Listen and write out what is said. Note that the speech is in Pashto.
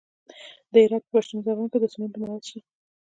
د هرات په پشتون زرغون کې د سمنټو مواد شته.